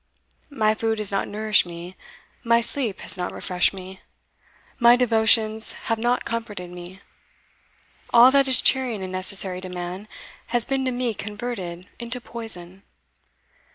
My food has not nourished me my sleep has not refreshed me my devotions have not comforted me all that is cheering and necessary to man has been to me converted into poison.